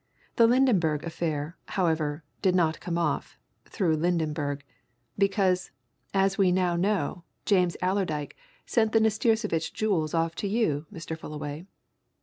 The Lydenberg affair, however, did not come off through Lydenberg. Because, as we now know, James Allerdyke sent the Nastirsevitch jewels off to you, Mr. Fullaway.